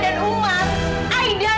saya hanya mau mengungkapkan kebenaran